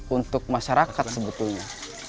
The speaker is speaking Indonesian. untuk masyarakat sebetulnya